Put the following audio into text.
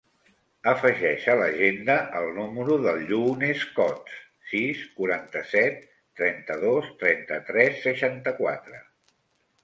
Afegeix a l'agenda el número del Younes Cots: sis, quaranta-set, trenta-dos, trenta-tres, seixanta-quatre.